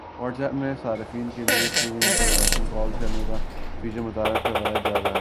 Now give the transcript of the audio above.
what's app نے صارفین کی لیے فری انٹرنیشنل کالز کرنے کا فیچر متعارف کروایا جا رہا ہے